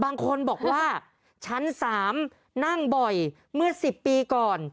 บางคนบอกว่าชั้น๓นั่งบ่อยเมื่อ๑๐ปีก่อน